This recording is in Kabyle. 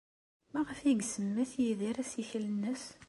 Maɣef ay isemmet Yidir assikel-nnes?